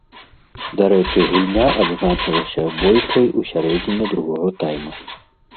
Дарэчы, гульня адзначылася бойкай у сярэдзіне другога тайма.